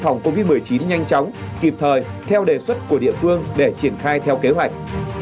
phòng covid một mươi chín nhanh chóng kịp thời theo đề xuất của địa phương để triển khai theo kế hoạch